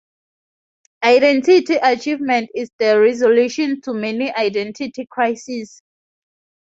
Identity achievement is the resolution to many identity crises.